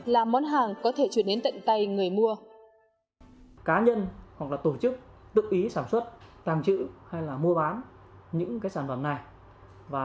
là món hàng có thể chuyển đến tận tay người mua